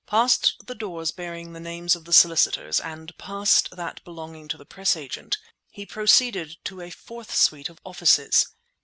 Past the doors bearing the names of the solicitors and past that belonging to the press agent he proceeded to a fourth suite of offices.